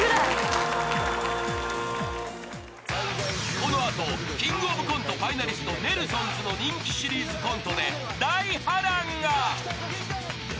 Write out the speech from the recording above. ［この後キングオブコントファイナリストネルソンズの人気シリーズコントで大波乱が］